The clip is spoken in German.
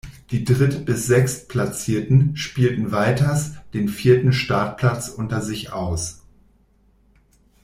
Die Dritt- bis Sechstplatzierten spielten weiters den vierten Startplatz unter sich aus.